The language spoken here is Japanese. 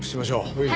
はい。